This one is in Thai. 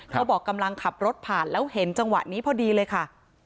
กำลังขับรถผ่านแล้วเห็นจังหวะนี้พอดีเลยค่ะ